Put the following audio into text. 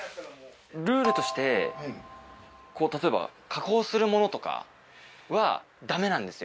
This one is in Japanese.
ルールとしてこう例えば加工するものとかはダメなんですよ。